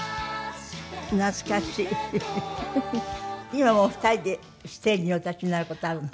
今もお二人でステージにお立ちになる事あるの？